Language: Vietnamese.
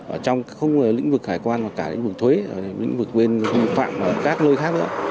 ở trong không chỉ lĩnh vực hải quan mà cả lĩnh vực thuế lĩnh vực bên phạm và các nơi khác nữa